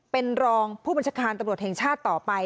เป็นรองผู้บัญชาการตำรวจแห่งชาติต่อไป